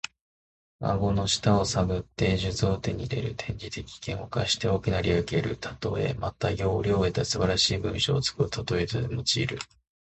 驪竜の顎の下を探って珠玉を手に入れる。転じて、危険を冒して大きな利益を得るたとえ。また、要領を得た素晴らしい文章を作ることのたとえとしても用いる。